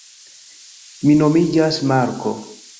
Mi nomiĝas Marko